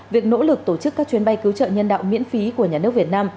các trường hợp tổ chức các chuyến bay cứu trợ nhân đạo miễn phí của nhà nước việt nam